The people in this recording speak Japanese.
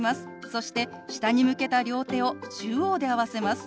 そして下に向けた両手を中央で合わせます。